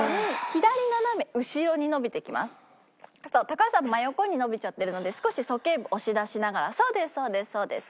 高橋さん真横に伸びちゃってるので少しそけい部押し出しながらそうですそうですそうです。